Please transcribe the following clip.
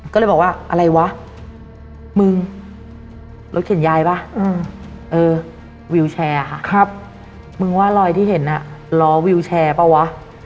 ก็เลยบอกว่าอะไรวะมึงรถเข็นยายป่ะเออวิวแชร์ค่ะมึงว่ารอยที่เห็นล้อวิวแชร์เปล่าวะ